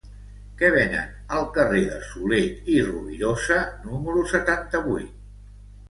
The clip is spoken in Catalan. Què venen al carrer de Soler i Rovirosa número setanta-vuit?